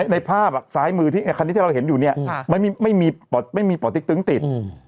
ในภาพซ้ายมือที่คันนี้ที่เราเห็นอยู่เนี่ยไม่มีป่อติ๊กตึงติด